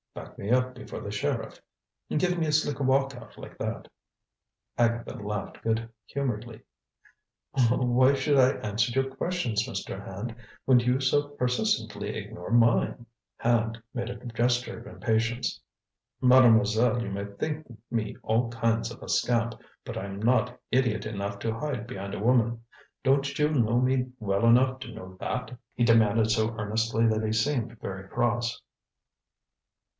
"Back me up before the sheriff. Give me a slick walkout like that." Agatha laughed good humoredly. "Why should I answer your questions, Mr. Hand, when you so persistently ignore mine?" Hand made a gesture of impatience. "Mademoiselle, you may think me all kinds of a scamp, but I'm not idiot enough to hide behind a woman. Don't you know me well enough to know that?" he demanded so earnestly that he seemed very cross.